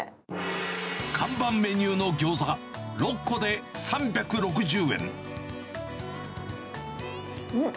看板メニューのギョーザ、６個で３６０円。